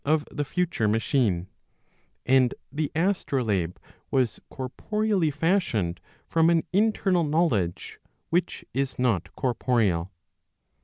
485 of the future machine; and the astrolabe was corporeally fashioned from an internal knowledge which is not corporeal.